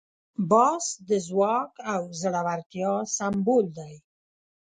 باز د ځواک او زړورتیا سمبول دی